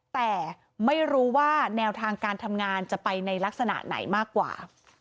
แต่ไม่รู้ว่าแนวทางการทำงานจะไปในลักษณะไหนมากกว่า